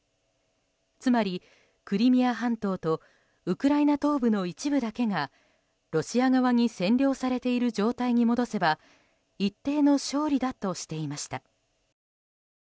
つまり、クリミア半島とウクライナ東部の一部だけがロシア側に占領されている状態に戻せば一定の勝利だとしていました。